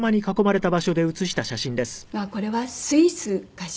ああこれはスイスかしら。